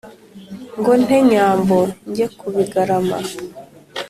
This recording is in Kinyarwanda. ngo nte nyambo njye ku bigarama,